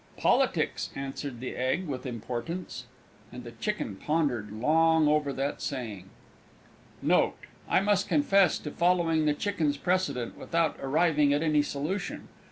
"Politics!" answered the Egg with importance. And the Chicken pondered long over that saying. Note. I must confess to following the Chicken's precedent, without arriving at any solution.